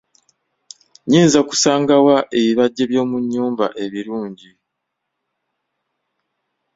Nyinza kusangawa ebibajje by'omunnyumba ebirungi?